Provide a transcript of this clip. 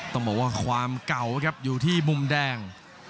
ต้องบอกว่าความเก่าครับอยู่ที่มุมแดง